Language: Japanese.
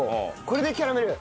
これでキャラメル？